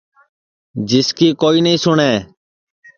جس کی کوئی نائی سُٹؔے